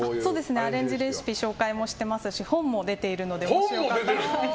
アレンジレシピ紹介もしていますし本も出ているのでもしよかったら。